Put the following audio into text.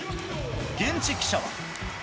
現地記者は。